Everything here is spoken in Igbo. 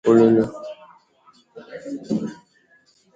ma bụrụkwa ndị a ga-akpụpụ ụlọikpe